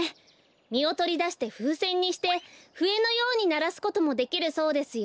みをとりだしてふうせんにしてふえのようにならすこともできるそうですよ。